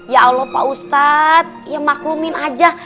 ya allah pak ustadz ya maklumin aja